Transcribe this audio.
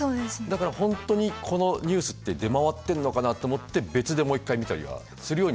だから本当にこのニュースって出回ってんのかなと思って別でもう一回見たりはするようにはしてる。